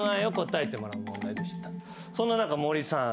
そんな中森さん。